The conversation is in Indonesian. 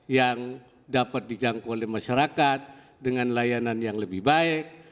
yang dapat dijangkau oleh masyarakat dengan layanan yang lebih baik